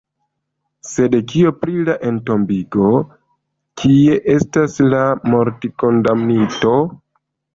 Sed kio pri la entombigo, kie estas la mortkondamnito?